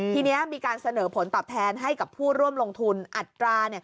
ทีนี้มีการเสนอผลตอบแทนให้กับผู้ร่วมลงทุนอัตรา